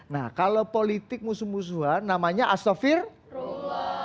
nah kalau politik musuh musuhan namanya astafirma